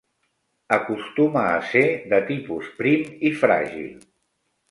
Acostuma a ser de tipus prim i fràgil.